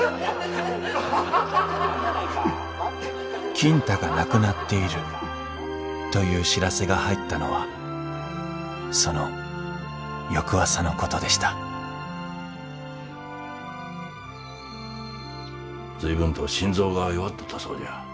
金太が亡くなっているという知らせが入ったのはその翌朝のことでした随分と心臓が弱っとったそうじゃ。